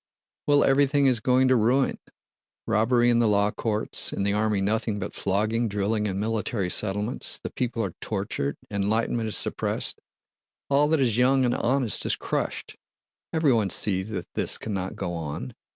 "Well, everything is going to ruin! Robbery in the law courts, in the army nothing but flogging, drilling, and Military Settlements; the people are tortured, enlightenment is suppressed. All that is young and honest is crushed! Everyone sees that this cannot go on.